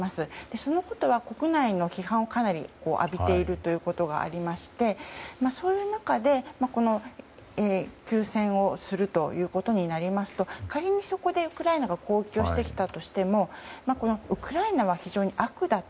そのことは国内の批判をかなり浴びているということがありましてそういう中で休戦をするということになりますと仮にそこでウクライナが攻撃をしてきたとしてもウクライナは非常に悪だと。